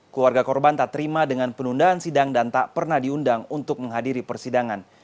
keluarga korban tak terima dengan penundaan sidang dan tak pernah diundang untuk menghadiri persidangan